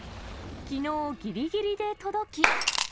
きのう、ぎりぎりで届き。